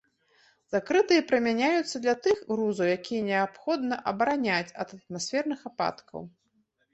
Закрытыя прымяняюцца для тых грузаў, якія неабходна абараняць ад атмасферных ападкаў.